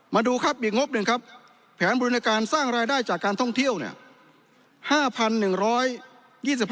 มาดูครับอีกงบหนึ่งครับแผนบริการสร้างรายได้จากการท่องเที่ยวเนี่ย